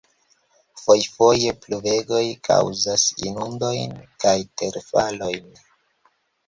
Fojfoje pluvegoj kaŭzas inundojn kaj terfalojn.